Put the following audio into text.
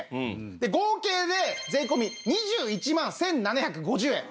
で合計で税込２１万１７５０円。